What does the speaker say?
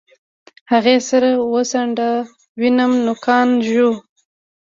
هغې سر وڅنډه ويم نوکان ژوو.